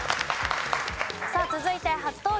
さあ続いて初登場